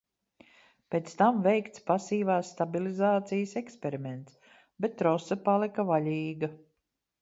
Pēc tam veikts pasīvās stabilizācijas eksperiments, bet trose palika vaļīga.